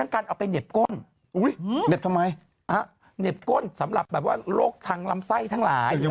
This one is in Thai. เน็บก้นสำหรับแบบว่าโรคทังลำไส้ทั้งหลาย